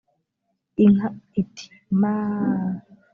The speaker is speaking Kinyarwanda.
inka iti “maaaa”